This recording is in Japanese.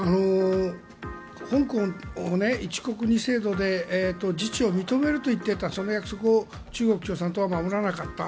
香港、一国二制度で自治を認めると言っていたその約束を中国共産党は守らなかった。